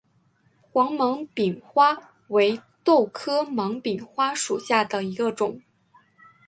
黄芒柄花为豆科芒柄花属下的一个种。